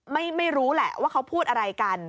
ไม่รู้แหละว่าเขาพูดอะไรกัน